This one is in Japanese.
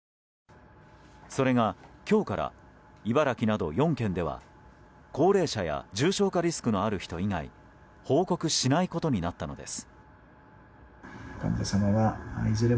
それが今日から茨城など４県では高齢者や重症化リスクのある人以外報告しないことになったのです。